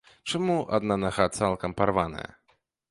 Чаму адна нага цалкам парваная?